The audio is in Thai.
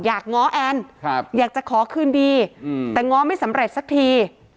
ง้อแอนอยากจะขอคืนดีแต่ง้อไม่สำเร็จสักที